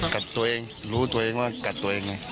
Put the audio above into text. กับตัวเองรู้ตัวเองว่ากัดตัวเองไง